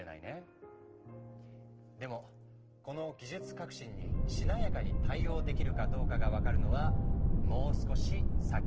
でもこの技術革新にしなやかに対応できるかどうかが分かるのはもう少し先の話。